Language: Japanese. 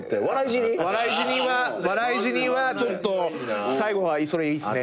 笑い死にはちょっと最後はそれいいっすね。